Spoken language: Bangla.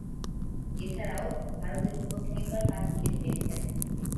এছাড়াও, ভারতের বিপক্ষে একবার পাঁচ উইকেট পেয়েছেন।